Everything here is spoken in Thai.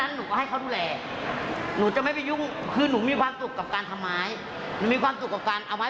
ลงเสาเข็มแล้วก็เครือกแรตอบรั้วกันดินทะลาย